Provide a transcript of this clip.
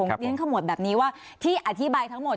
เรียนขมวดแบบนี้ว่าที่อธิบายทั้งหมด